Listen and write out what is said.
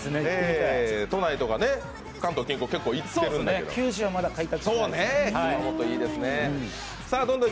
都内とか関東近郊は結構行っていますけど。